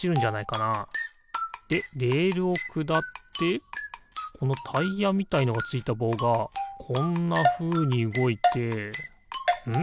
でレールをくだってこのタイヤみたいなのついたぼうがこんなふうにうごいてん？